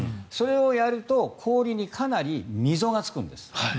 それをやると氷にかなり溝がつくんです。